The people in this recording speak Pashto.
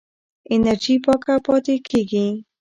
انرژي پاکه پاتې کېږي.